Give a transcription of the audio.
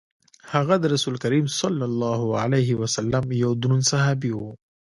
هغه د رسول کریم صلی الله علیه وسلم یو دروند صحابي وو.